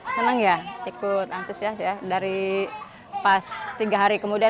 senang ya ikut antusias ya dari pas tiga hari kemudian